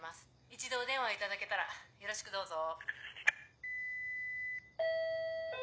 一度お電話いただけたらよろしくどうぞ。